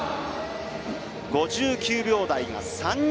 ５９秒台が３人。